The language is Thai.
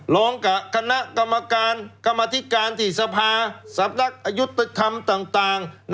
ร้องกับคณะกรรมการกรรมธิการที่สภาสำนักอายุติธรรมต่าง